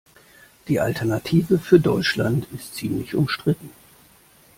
Die Alternative für Deutschland ist ziemlich umstritten.